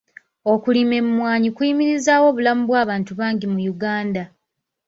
Okulima emmwanyi kuyimirizzaawo obulamu bw'abantu bangi mu Uganda.